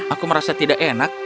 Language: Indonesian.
aku merasa tidak enak